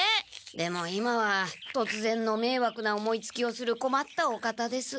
でも今はとつぜんのめいわくな思いつきをするこまったお方です。